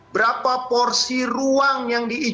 berapa porsi ruang yang diberikan